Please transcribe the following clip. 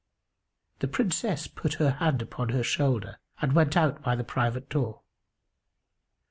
The Princess put her hand upon her shoulder and went out by the private door.